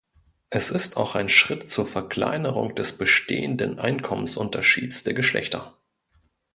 Es ist auch ein Schritt zur Verkleinerung des bestehenden Einkommensunterschieds der Geschlechter.